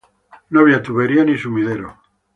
No había tubería ni sumidero.